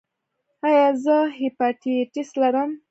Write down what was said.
ایا زه هیپاټایټس لرم؟